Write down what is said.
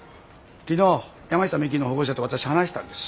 昨日山下未希の保護者と私話したんです。